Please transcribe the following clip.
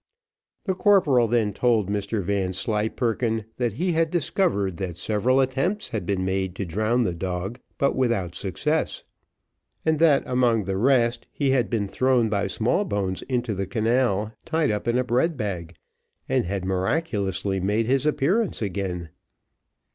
The corporal then told Mr Vanslyperken that he had discovered that several attempts had been made to drown the dog, but without success; and that among the rest, he had been thrown by Smallbones into the canal, tied up in a bread bag, and had miraculously made his appearance again.